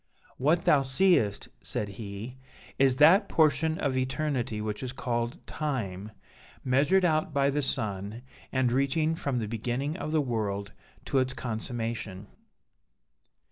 'What thou seest,' said he, 'is that portion of eternity which is called Time, measured out by the sun, and reaching from the beginning of the world to its consummation.'